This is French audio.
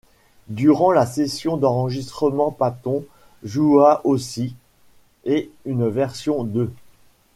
Durant la session d'enregistrement Patton joua aussi ',' et une version de '.